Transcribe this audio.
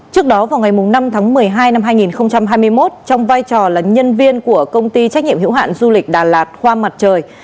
trước đó vào ngày năm tháng một mươi hai năm hai nghìn hai mươi một trong vai trò là nhân viên của công ty trách nhiệm hữu hạn du lịch đà lạt khoa mặt trời